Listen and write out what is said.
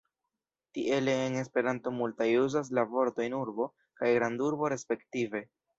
Tiele en Esperanto multaj uzas la vortojn "urbo" kaj grandurbo respektive.